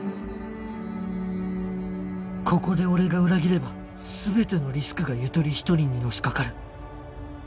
ここで俺が裏切れば全てのリスクがゆとり一人にのしかかる